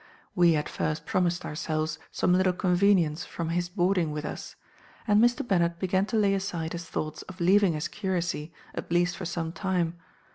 We at first promised ourselves some little convenience from his boarding with us; and Mr. Bennet began to lay aside his thoughts of leaving his curacy, at least for some time.